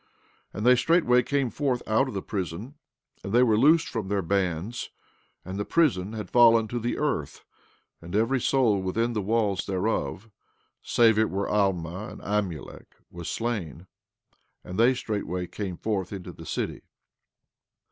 And they straightway came forth out of the prison; and they were loosed from their bands; and the prison had fallen to the earth, and every soul within the walls thereof, save it were Alma and Amulek, was slain; and they straightway came forth into the city.